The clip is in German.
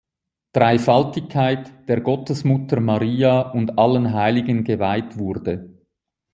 Dreifaltigkeit, der Gottesmutter Maria und allen Heiligen geweiht wurde.